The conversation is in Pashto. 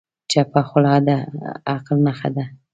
چپه خوله، د عقل نښه ده.